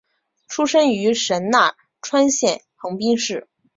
出身于神奈川县横滨市。